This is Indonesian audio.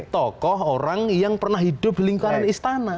tokoh orang yang pernah hidup di lingkaran istana